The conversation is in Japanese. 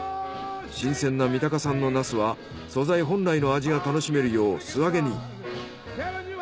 新鮮な三鷹産のナスは素材本来の味が楽しめるよう素揚げに。